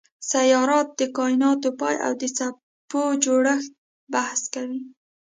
سیارات د کایناتو پای او د څپو جوړښت بحث کوي.